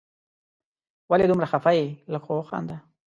ولي دومره خفه یې ؟ لږ خو وخانده